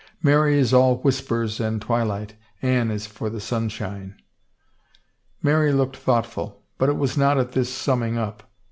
Mary is all whispers and twilight ; Anne is for the sunshine." Mary looked thoughtful ; but it was not at this sum ming up.